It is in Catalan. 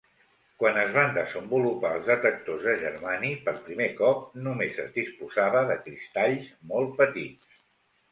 Quan es van desenvolupar els detectors de germani per primer cop, només es disposava de cristalls molt petits.